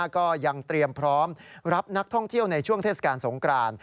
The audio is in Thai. ก็ยังเตรียมพร้อมรับนักท่องเที่ยวในช่วงเทศกาลสงกราน